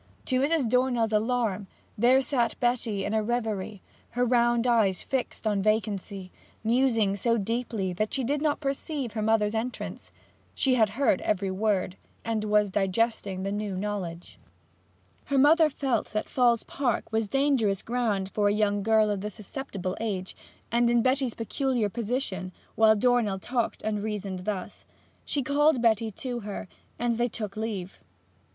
To Mrs. Dornell's alarm, there sat Betty in a reverie, her round eyes fixed on vacancy, musing so deeply that she did not perceive her mother's entrance. She had heard every word, and was digesting the new knowledge. Her mother felt that Falls Park was dangerous ground for a young girl of the susceptible age, and in Betty's peculiar position, while Dornell talked and reasoned thus. She called Betty to her, and they took leave.